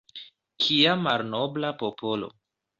Kia malnobla popolo.